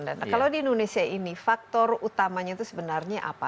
dan kalau di indonesia ini faktor utamanya itu sebenarnya apa